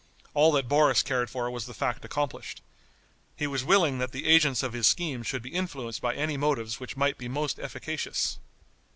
All that Boris cared for was the fact accomplished. He was willing that the agents of his schemes should be influenced by any motives which might be most efficacious.